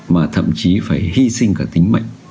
mà thậm chí phải hy sinh cả tính mệnh